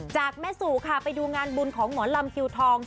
จากแม่สู่ค่ะไปดูงานบุญของหมอลำคิวทอง